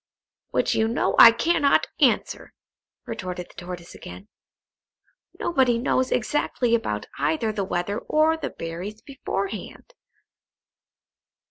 "Which you know I cannot answer," retorted the Tortoise again. "Nobody knows exactly about either the weather or the berries beforehand."